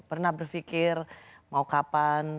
pernah berpikir mau kapan